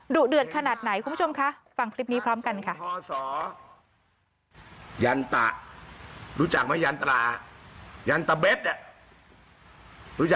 เดือดขนาดไหนคุณผู้ชมคะฟังคลิปนี้พร้อมกันค่ะ